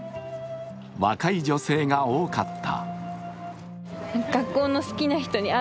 若い女性が多かった。